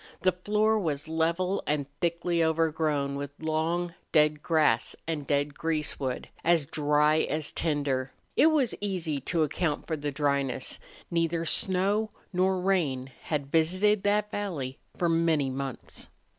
The floor was level and thickly overgrown with long, dead grass and dead greasewood, as dry as tinder. It was easy to account for the dryness; neither snow nor rain had visited that valley for many months.